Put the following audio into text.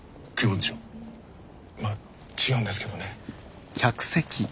ま違うんですけどね。